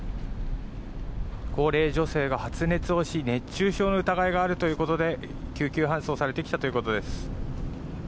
高齢女性が発熱をし熱中症の疑いがあるということで救急搬送されてきたということです。